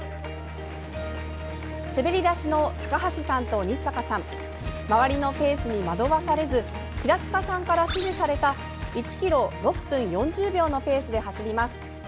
滑り出しの高橋さんと日坂さん周りのペースに惑わされず平塚さんから指示された１ｋｍ６分４０秒のペースで走ります。